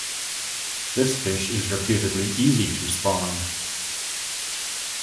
This fish is reputedly easy to spawn.